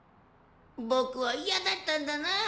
僕は嫌だったんだナ。